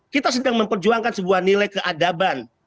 kita sedang memperjuangkan sebuah nilai keadaban